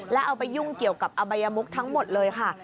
แล้วเอาไปยุ่งเกี่ยวกับอบัยมุกทั้งหมดเลยค่ะ